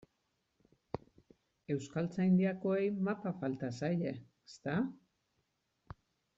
Euskaltzaindiakoei mapa falta zaie, ezta?